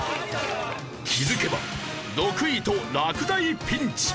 気づけば６位と落第ピンチ。